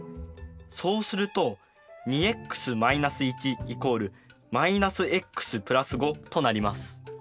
そうするととなります。